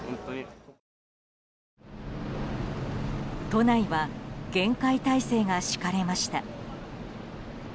都内は厳戒態勢が敷かれました。